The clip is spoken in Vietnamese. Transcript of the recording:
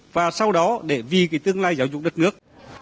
và sau đó để vì cái tương lai giáo dục đất nước